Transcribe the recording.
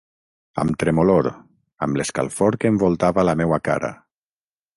Amb tremolor, amb l'escalfor que envoltava la meua cara.